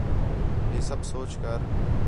ہِے سب سوچ کر